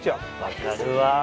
分かるわ。